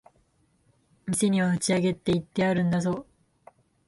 店には打ち上げって言ってるんだぞ。